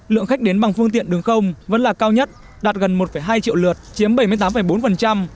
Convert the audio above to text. lượng khách đến bằng phương tiện đường không vẫn là cao nhất đạt gần một hai triệu lượt chiếm bảy mươi tám bốn